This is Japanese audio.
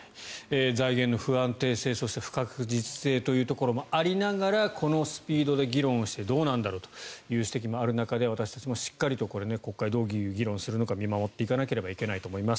財源の不安定性不確実性というところもありながらこのスピードで議論してどうなんだろうという指摘もある中で私たちもしっかりと国会でどういう議論をするのか見守っていかなければいけないと思います。